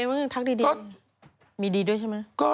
เวลาเหลือเหรอ